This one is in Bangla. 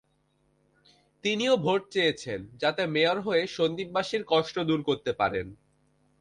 তিনিও ভোট চেয়েছেন, যাতে মেয়র হয়ে সন্দ্বীপবাসীর কষ্ট দূর করতে পারেন।